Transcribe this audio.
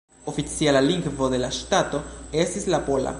Oficiala lingvo de la ŝtato estis la pola.